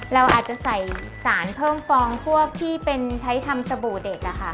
เราอาจจะใส่สารเพิ่มฟองพวกที่เป็นใช้ทำสบู่เด็ก